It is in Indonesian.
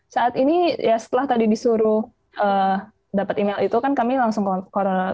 saat ini setelah tadi disuruh dapat email itu kami langsung koronavirus